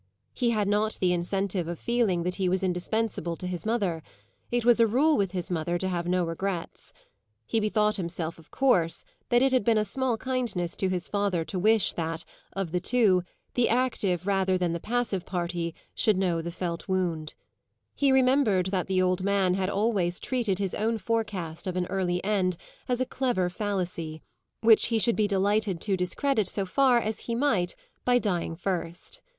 He had not the incentive of feeling that he was indispensable to his mother; it was a rule with his mother to have no regrets. He bethought himself of course that it had been a small kindness to his father to wish that, of the two, the active rather than the passive party should know the felt wound; he remembered that the old man had always treated his own forecast of an early end as a clever fallacy, which he should be delighted to discredit so far as he might by dying first.